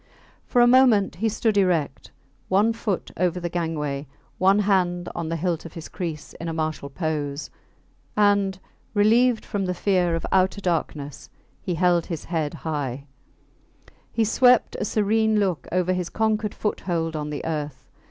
For a moment he stood erect, one foot over the gangway, one hand on the hilt of his kriss, in a martial pose; and, relieved from the fear of outer darkness, he held his head high, he swept a serene look over his conquered foothold on the earth.